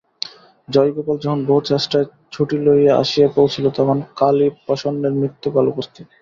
জয়গোপাল যখন বহু চেষ্টায় ছুটি লইয়া আসিয়া পৌঁছিল তখন কালীপ্রসন্নের মৃত্যুকাল উপস্থিত।